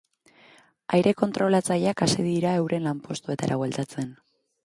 Aire-kontrolatzaileak hasi dira euren lanpostuetara bueltatzen.